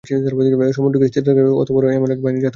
সমুদ্রকে স্থির থাকতে দাও, ওরা এমন এক বাহিনী যা নিমজ্জিত হবে।